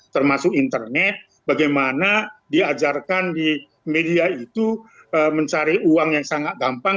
termasuk internet bagaimana diajarkan di media itu mencari uang yang sangat gampang